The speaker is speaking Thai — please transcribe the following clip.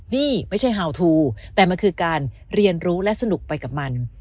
นี่ไม่ใช่ฮาวทูแต่มันคือการเรียนรู้และสนุกไปกับมัน